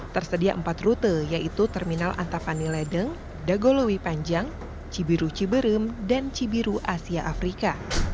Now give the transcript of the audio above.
tersedia empat rute yaitu terminal antapani ledeng dagolowi panjang cibiru ciberem dan cibiru asia afrika